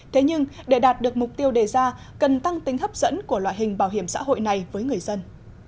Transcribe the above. thế nhưng để đạt được mục tiêu đề ra cần tăng tính hấp dẫn của loại hình bảo hiểm xã hội này với người dân